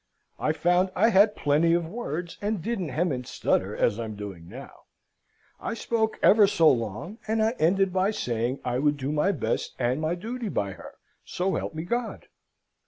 I found I had plenty of words, and didn't hem and stutter as I'm doing now. I spoke ever so long, and I ended by saying I would do my best and my duty by her, so help me God!